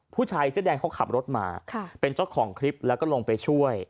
ผู้ชายเสื้อแดงเขาขับรถมาเป็นเจ้าของคลิปแล้วก็ลงไปช่วย